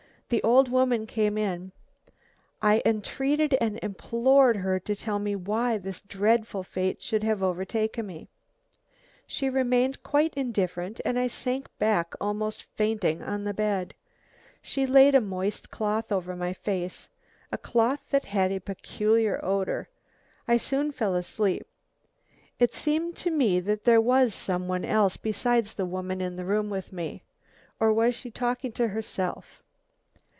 The old woman came in. I entreated and implored her to tell me why this dreadful fate should have overtaken me. She remained quite indifferent and I sank back, almost fainting, on the bed. She laid a moist cloth over my face, a cloth that had a peculiar odour. I soon fell asleep. It seemed to me that there was some one else besides the woman in the room with me. Or was she talking to herself?